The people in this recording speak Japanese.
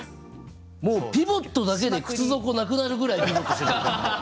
もうピボットだけで靴底なくなるぐらいピボットしてる。